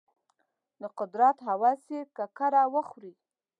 د قدرت هوس یې ککره وخوري.